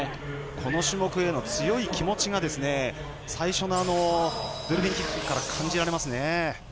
この種目への強い気持ちが最初のドルフィンキックから感じられますね。